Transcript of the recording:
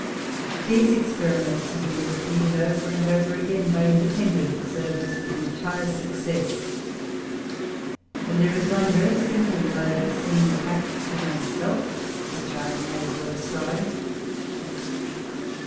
] These experiments have been repeated over and over again by independent observers with entire success; and there is one very simple mode of seeing the facts for one's self, which I may as well describe.